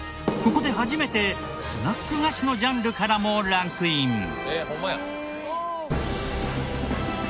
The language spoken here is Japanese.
ここで初めてスナック菓子のジャンルからもランクイン。